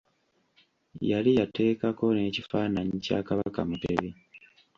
Yali yateekako n’ekifaananyi kya Kabaka Mutebi.